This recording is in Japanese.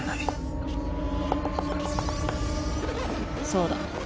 そうだ。